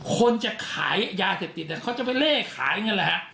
คนจะขายยาเสพติฯเขาจะไปเล่ขายอย่างนั้นแหละฮะ